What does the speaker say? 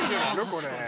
これ。